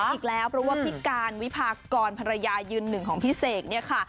อีกแล้วเพราะว่าพี่กานวิพากรภรรยายืน๑ของพี่เสก